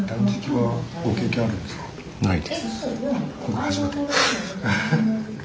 はい。